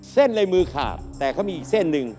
เส้นเลยมือขาดแต่เขามีอีกเส้นหนึ่ง